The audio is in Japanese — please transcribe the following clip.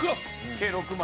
計６枚？